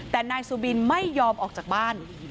แต่นายสุบินไม่ยอมออกจากบ้าน